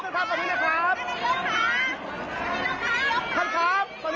เดี๋ยวให้ดูอีกนิดนึงเพราะว่าก่อนที่คุณทักษิณจะกลับเข้าไปในอาคาร